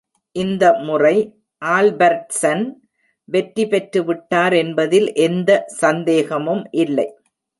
இந்த முறை ஆல்பர்ட்சன் வெற்றி பெற்றுவிட்டார் என்பதில் எந்த சந்தேகமும் இல்லை.